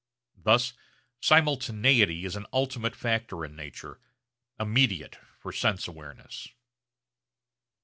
Thus simultaneity is an ultimate factor in nature, immediate for sense awareness.